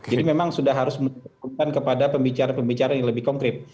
jadi memang sudah harus menuntutkan kepada pembicara pembicara yang lebih jauh